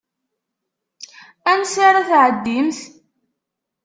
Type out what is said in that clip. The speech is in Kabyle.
Ansa ara tɛeddimt?